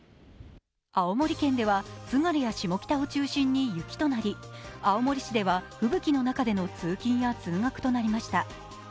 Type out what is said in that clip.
青森県では津軽や下北を中心に雪となり青森市では吹雪の中での通勤や通学となりました。